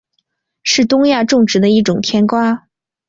是东亚种植的一种甜瓜。